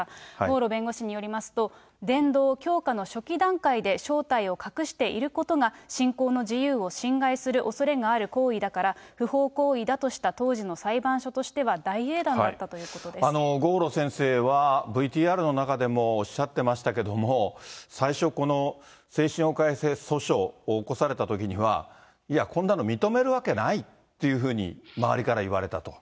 郷路弁護士によりますと、伝道、教化の初期段階で正体を隠していることが、信仰の自由を侵害するおそれがある行為だから、不法行為だとした当時の裁判所としては大英断だったということで郷路先生は、ＶＴＲの中でもおっしゃってましたけれども、最初、この青春を返せ訴訟を起こされたときには、いや、こんなの認めるわけないっていうふうに周りから言われたと。